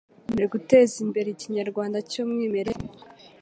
muri guteza imbere ikinyarwanda cy'umwimerere.